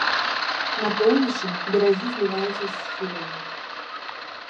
На поўначы берагі зліваюцца з схіламі.